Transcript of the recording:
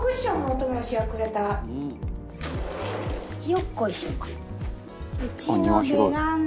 よっこいしょ。